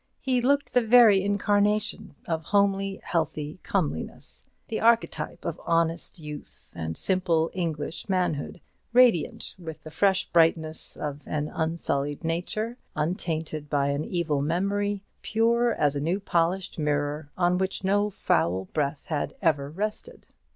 He looked the very incarnation of homely, healthy comeliness, the archetype of honest youth and simple English manhood, radiant with the fresh brightness of an unsullied nature, untainted by an evil memory, pure as a new polished mirror on which no foul breath has ever rested.